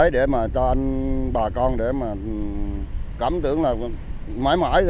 để mà cho bà con để mà cảm tưởng là mãi mãi